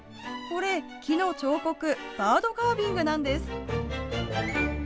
これ、木の彫刻、バードカービングなんです。